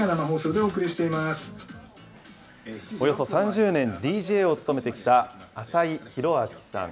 およそ３０年、ＤＪを務めてきた浅井博章さん。